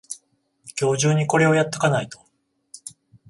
今日中にこれをやっとかないと